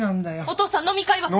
お父さん飲み会は？